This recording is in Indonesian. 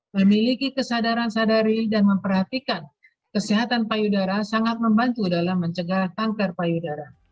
memiliki kesadaran sadari dan memperhatikan kesehatan payudara sangat membantu dalam mencegah kanker payudara